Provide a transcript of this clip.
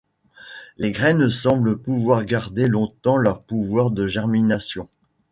Les graines semblent pouvoir garder longtemps leur pouvoir de germination.